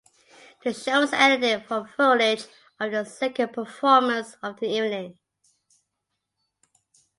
The show was edited from footage of the second performance of the evening.